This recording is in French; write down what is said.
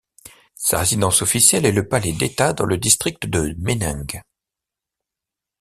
Sa résidence officielle est le palais d'État dans le district de Meneng.